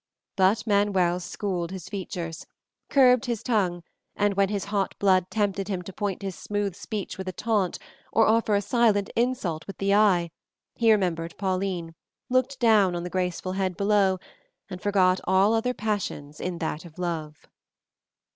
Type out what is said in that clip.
But Manuel schooled his features, curbed his tongue, and when his hot blood tempted him to point his smooth speech with a taunt, or offer a silent insult with the eye, he remembered Pauline, looked down on the graceful head below, and forgot all other passions in that of love.